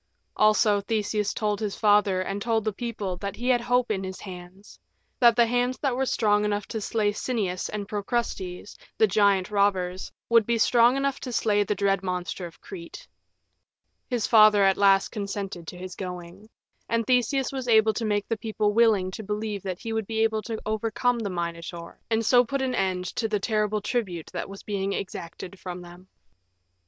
Also Theseus told his father and told the people that he had hope in his hands that the hands that were strong enough to slay Sinnias and Procrustes, the giant robbers, would be strong enough to slay the dread monster of Crete. His father at last consented to his going. And Theseus was able to make the people willing to believe that he would be able to overcome the Minotaur, and so put an end to the terrible tribute that was being exacted from them.